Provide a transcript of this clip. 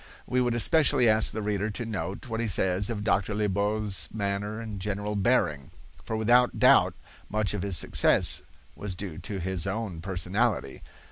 We would especially ask the reader to note what he says of Dr. Liebault's manner and general bearing, for without doubt much of his success was due to his own personality.